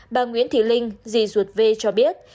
bà nguyễn thị linh dì ruột vê cho biết